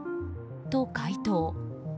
と回答。